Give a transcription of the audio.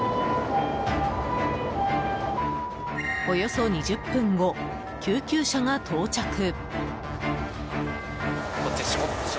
およそ２０分後、救急車が到着。